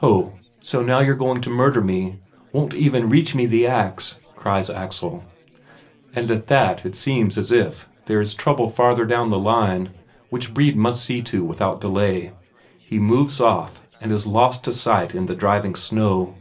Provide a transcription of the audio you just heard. "Ho, so you're going to murder me won't even reach me the ax?" cries Axel. And at that it seems as if there is trouble farther down the line, which Brede must see to without delay. He moves off, and is lost to sight in the driving snow.